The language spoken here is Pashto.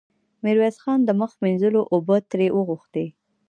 ميرويس خان د مخ مينځلو اوبه ترې وغوښتې.